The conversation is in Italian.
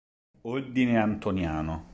Ordine antoniano